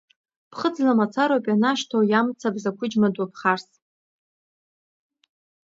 Ԥхыӡла мацароуп ианашьҭоу, иамбац ақәыџьма ду ԥхарс.